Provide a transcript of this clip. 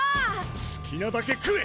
好きなだけ食え！